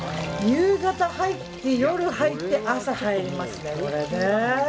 夕方入って夜入って、朝入りますねこれは。